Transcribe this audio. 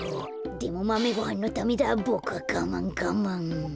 でもマメごはんのためだボクはがまんがまん。